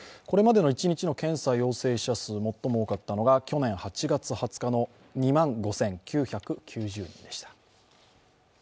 これまでの一日の検査陽性者数、最も多かったのが去年８月２０日の２万５９９０人でした。